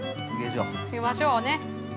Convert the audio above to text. ◆しましょうね。